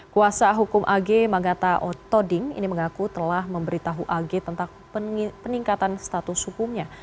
kuasa hukum ag manggata toding ini mengaku telah memberitahu ag tentang peningkatan status hukumnya